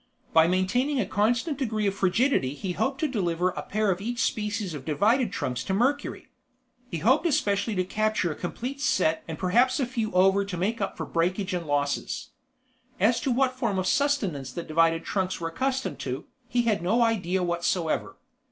By maintaining a constant degree of frigidity he hoped to deliver a pair of each species of divided trunks to Mercury. He hoped especially to capture a complete set and perhaps a few over to make up for breakage and losses. As to what form of sustenance the divided trunks were accustomed to, he had no idea whatsoever.